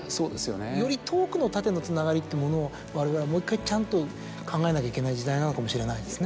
より遠くの縦のつながりというものをわれわれはもう１回ちゃんと考えなきゃいけない時代なのかもしれないですね。